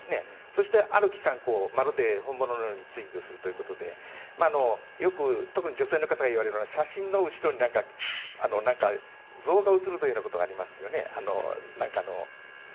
そして、ある期間まるで本物のように追尾をするということで特に女性の方が言うのは写真の後ろに像が映る時のことがありますね。